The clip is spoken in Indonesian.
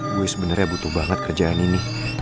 gue sebenarnya butuh banget kerjaan ini